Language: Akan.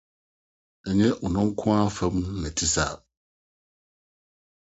Ɛnyɛ ɔno nkutoo fam na ɛte saa.